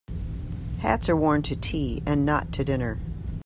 Hats are worn to tea and not to dinner.